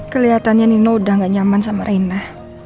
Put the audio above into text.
kelihatannya nino udah gak nyaman sama reina